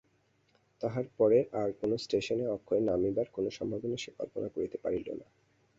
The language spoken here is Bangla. তাহার পরের আর-কোনো স্টেশনে অক্ষয়ের নামিবার কোনো সম্ভাবনা সে কল্পনা করিতে পারিল না।